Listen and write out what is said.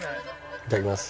いただきます。